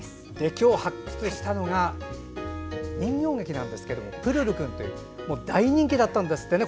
今日発掘したのが人形劇なんですけれども「プルルくん」という大人気だったんですってね。